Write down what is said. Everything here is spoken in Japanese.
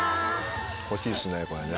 欲しいですねこれね。